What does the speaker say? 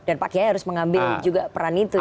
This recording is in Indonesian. dan pak jeka harus mengambil juga peran itu ya